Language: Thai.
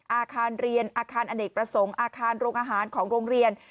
อาคารเรียนอาคารอเนกประสงค์อาคารโรงอาหารของโรงเรียน